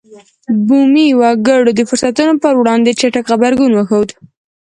بومي وګړو د فرصتونو پر وړاندې چټک غبرګون وښود.